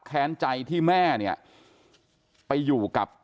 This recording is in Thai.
จนกระทั่งหลานชายที่ชื่อสิทธิชัยมั่นคงอายุ๒๙เนี่ยรู้ว่าแม่กลับบ้าน